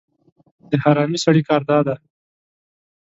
د حرامي سړي کار دا دی